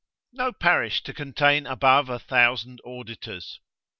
No parish to contain above a thousand auditors.